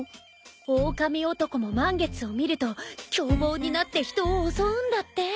おおかみ男も満月を見ると凶暴になって人を襲うんだって。